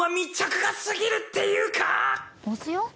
押すよ。